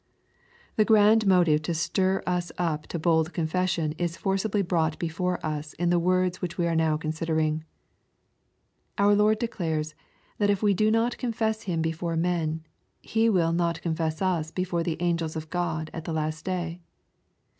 The grand motive to stir us up to bold confession is forcibly brought before us in the words which we are now considering. Our Lord declares, that if we do not confess Him before men, He will "not confess us before the angels of God" at the last day.